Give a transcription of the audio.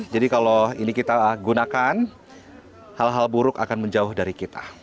jadi kalau ini kita gunakan hal hal buruk akan menjauh dari kita